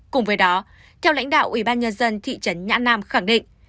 cùng với đó theo lãnh đạo ủy ban nhân dân thị trấn nhã nam khẳng định